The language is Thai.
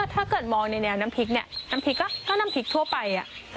ถ้าเกิดมองในแนวน้ำพริกเนี่ยน้ำพริกก็ถ้าน้ำพริกทั่วไป